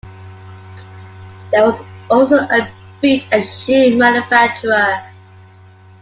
There was also a boot and shoe manufacturer.